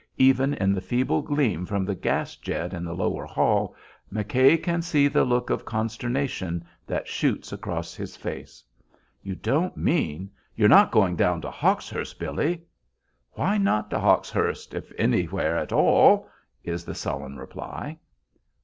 Even in the feeble gleam from the gas jet in the lower hall McKay can see the look of consternation that shoots across his face. "You don't mean you're not going down to Hawkshurst, Billy?" "Why not to Hawkshurst, if anywhere at all?" is the sullen reply.